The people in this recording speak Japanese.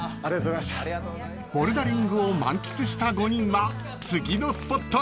［ボルダリングを満喫した５人は次のスポットへ］